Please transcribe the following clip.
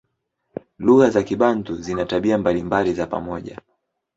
Lugha za Kibantu zina tabia mbalimbali za pamoja.